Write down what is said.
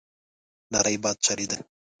نری باد چلېده.